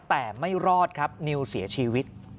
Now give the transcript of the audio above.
แต่ไม่รอดครับนิวเสียชีวิต